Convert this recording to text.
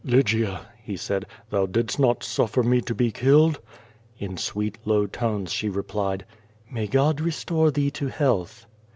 "Lygia," ho said, "thou didst not suffer me to be killed!" In sweet, low tones she replied: "May God restore thee to health."